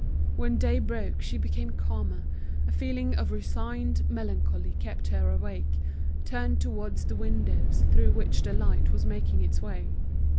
When day broke she became calmer, a feeling of resigned melancholy kept her awake, turned towards the windows through which the light was making its way.